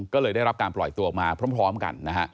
ก็เลยได้รับการปล่อยตัวออกมาพร้อมกันนะฮะ